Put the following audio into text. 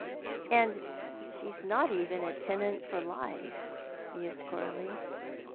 •• And sho is not even tenant for life,*' mused Coralie.